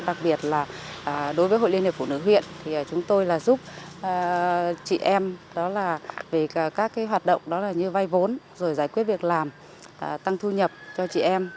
đặc biệt là đối với hội liên hiệp phụ nữ huyện chúng tôi giúp chị em về các hoạt động như vay vốn giải quyết việc làm tăng thu nhập cho chị em